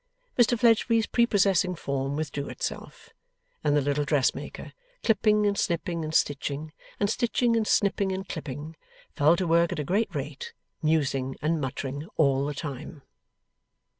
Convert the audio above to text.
Mr Fledgeby's prepossessing form withdrew itself; and the little dressmaker, clipping and snipping and stitching, and stitching and snipping and clipping, fell to work at a great rate; musing and muttering all the time.